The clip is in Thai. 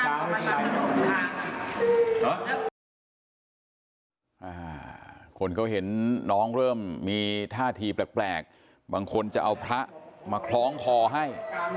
คนเขาเห็นน้องเริ่มมีท่าทีแปลกบางคนจะเอาพระมาคล้องคอให้